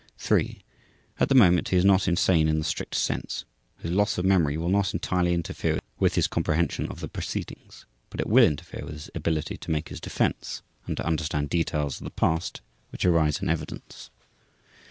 3. At the moment he is not insane in the strict sense. His loss of memory will not entirely interfere with his comprehension of the proceedings, but it will interfere with his ability to make his defense and to understand details of the past which arise in evidence.